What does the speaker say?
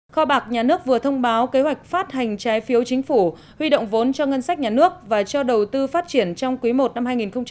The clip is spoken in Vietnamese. kho bạc nhà nước vừa thông báo kế hoạch phát hành trái phiếu chính phủ huy động vốn cho ngân sách nhà nước và cho đầu tư phát triển trong quý i năm hai nghìn hai mươi